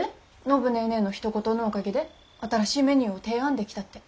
暢ネーネーのひと言のおかげで新しいメニューを提案できたって。